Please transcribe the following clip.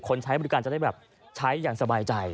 ใช้บริการจะได้แบบใช้อย่างสบายใจ